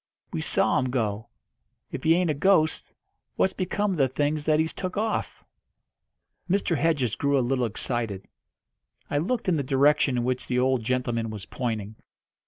We saw 'em go. If he ain't a ghost, what's become of the things that he's took off?" Mr. Hedges grew a little excited. I looked in the direction in which the old gentleman was pointing.